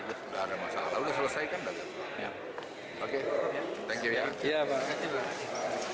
tidak ada masalah udah selesai kan